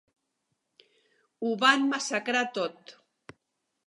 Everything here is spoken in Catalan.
Ho van massacrar tot.